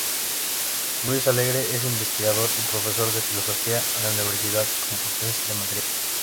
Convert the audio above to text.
Luis Alegre es investigador y profesor de Filosofía en la Universidad Complutense de Madrid.